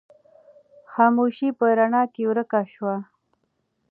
خاموشي په رڼا کې ورکه شوه.